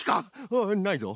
ああないぞ。